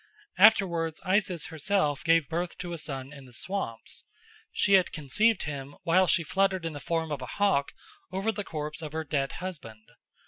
Afterwards Isis herself gave birth to a son in the swamps. She had conceived him while she fluttered in the form of a hawk over the corpse of her dead husband.